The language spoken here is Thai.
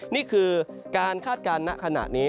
นี่คือการคาดการณ์นี้ขนาดนี้